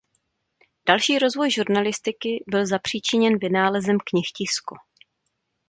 Další rozvoj žurnalistiky byl zapříčiněn vynálezem knihtisku.